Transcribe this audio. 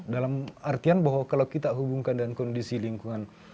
dalam artian bahwa kalau kita hubungkan dengan kondisi lingkungan